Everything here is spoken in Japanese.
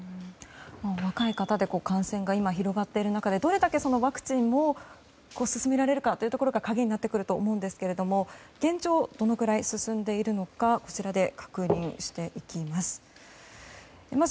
若い方で感染が広がっている中でどれだけワクチンを進められるかが鍵になってくると思うんですけれども現状、どのぐらい進んでいるのかこちらで確認していきます。